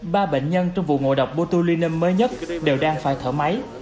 ba bệnh nhân trong vụ ngộ độc botulinum mới nhất đều đang phải thở máy